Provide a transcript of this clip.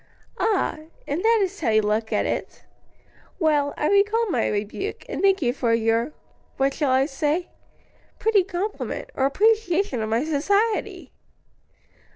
"Ah! and that is how you look at it? Well, I recall my rebuke, and thank you for your what shall I say pretty compliment, or appreciation of my society?"